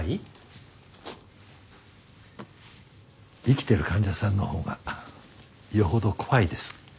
生きてる患者さんのほうがよほど怖いです。